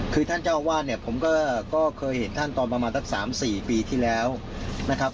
คือท่านเจ้าอาวาสเนี่ยผมก็เคยเห็นท่านตอนประมาณสัก๓๔ปีที่แล้วนะครับ